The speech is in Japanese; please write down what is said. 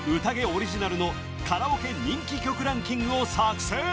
オリジナルのカラオケ人気曲ランキングを作成